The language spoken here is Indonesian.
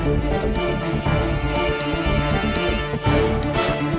ibu keluarkan seseorang dari masjid itu wonk pasang